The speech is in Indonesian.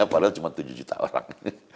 padahal cuma tujuh juta orang